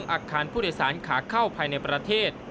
อาคารผู้โดยสารขาเข้าภายในประเทศ